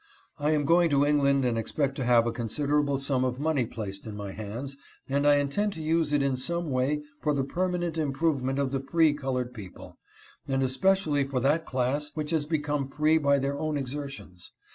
I am going to England and expect to have a con siderable sum of money placed in my hands, and I intend to use it in some way for the permanent improvement of the free colored people, and especially for that class which has become free by their own exertions.